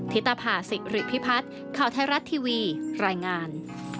ธิตภาษิริพิพัฒน์ข่าวไทยรัฐทีวีรายงาน